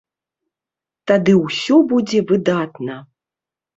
Тады ўсё будзе выдатна.